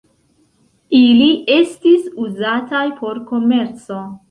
Ili estis uzataj por komerco.